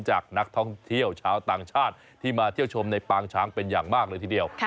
จากนักท่องเที่ยวชาวต่างชาติที่มาเที่ยวชมในปางช้างเป็นอย่างมากเลยทีเดียว